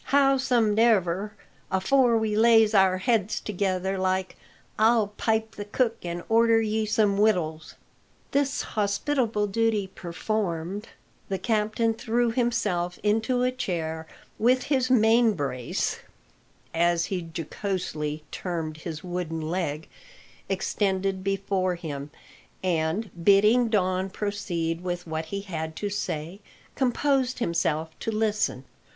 Howsomedever, afore we lays our heads together like, I'll pipe the cook and order ye some wittles." This hospitable duty performed, the captain threw himself into a chair with his "main brace," as he jocosely termed his wooden leg, extended before him, and, bidding Don proceed with what he had to say, composed himself to listen.